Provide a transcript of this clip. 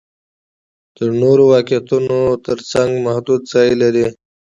د نورو واقعیتونو تر څنګ محدود ځای لري.